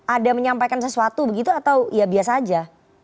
ada menyampaikan sesuatu gitu atau ya biasa aja